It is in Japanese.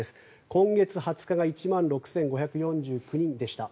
今月２０日が１万６５４９人でした。